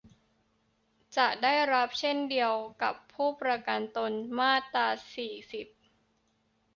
จะได้รับเช่นเดียวกับผู้ประกันตน มาตรา สี่สิบ